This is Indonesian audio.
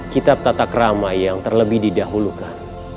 kitab tathakrama yang terlebih didahulukan